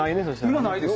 今ないです。